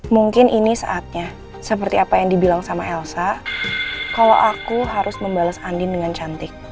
mungkin ini saatnya seperti apa yang dibilang sama elsa kalau aku harus membalas andin dengan cantik